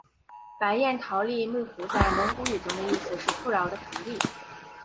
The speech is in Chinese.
白彦陶力木湖在蒙古语中的意思是富饶的盆地。